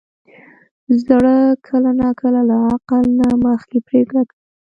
زړه کله ناکله له عقل نه مخکې پرېکړه کوي.